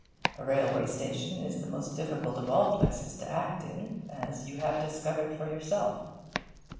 A railway station is the most difficult of all places to act in, as you have discovered for yourself.'